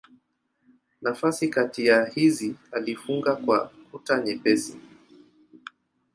Nafasi kati ya hizi alifunga kwa kuta nyepesi.